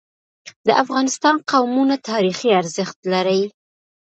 د افغانستان قومونه تاریخي ارزښت لري.